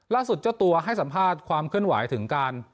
เจ้าตัวให้สัมภาษณ์ความเคลื่อนไหวถึงการ